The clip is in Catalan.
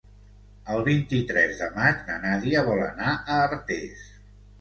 El vint-i-tres de maig na Nàdia vol anar a Artés.